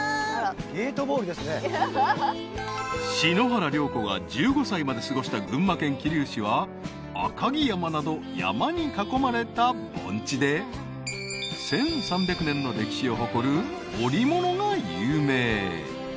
［篠原涼子が１５歳まで過ごした群馬県桐生市は赤城山など山に囲まれた盆地で１，３００年の歴史を誇る織物が有名］